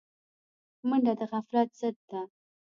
منډه د غفلت ضد ده